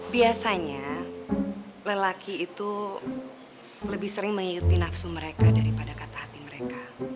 biasanya lelaki itu lebih sering mengikuti nafsu mereka daripada kata hati mereka